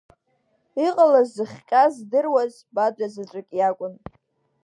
Иҟалаз зыхҟьаз здыруаз Бадра заҵәык иакәын.